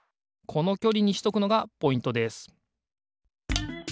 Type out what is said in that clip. このきょりにしとくのがポイントです